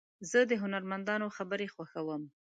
زه د هنرمندانو خبرې خوښوم.